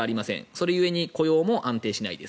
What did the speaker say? それ故に雇用も安定しない。